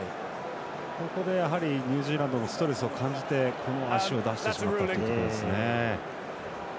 ここで、ニュージーランドもストレスを感じて足を出してしまったんですね。